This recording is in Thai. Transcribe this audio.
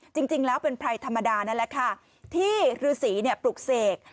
จริงจริงแล้วเป็นไพรธรรมดานั่นแหละค่ะที่รุศรีเนี่ยปลูกเสก